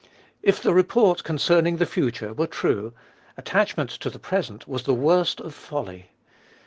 If the report concerning the future were true, attachment to the present was the worst of folly.